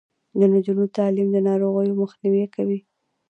د نجونو تعلیم د ناروغیو مخنیوی کوي.